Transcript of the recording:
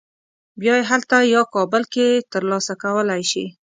بیا یې هلته یا کابل کې تر لاسه کولی شې.